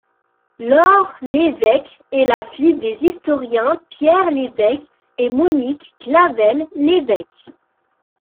Laure Lévêque est la fille des historiens Pierre Lévêque et Monique Clavel-Lévêque.